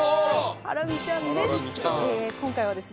ハラミちゃんです。